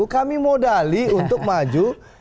kami modali untuk maju